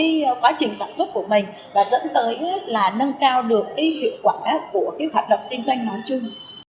và dẫn tới là nâng cao được cái hiệu quả của cái hoạt động tinh doanh nói chung